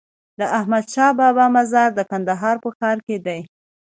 د احمدشاهبابا مزار د کندهار په ښار کی دی